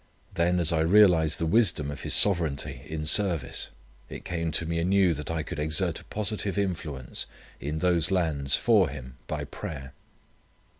Then as I realized the wisdom of His sovereignty in service, it came to me anew that I could exert a positive influence in those lands for Him by prayer.